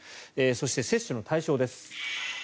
そして、接種の対象です。